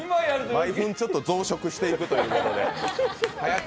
毎分ちょっと増殖していくという。